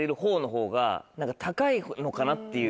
のかなっていう。